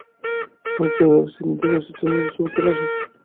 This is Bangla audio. মাস দুয়েক আগে সিডনি থেকে এসেছে নিজের তোলা ছবির এক্সিবিশন করার জন্য।